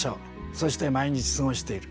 そして毎日過ごしている。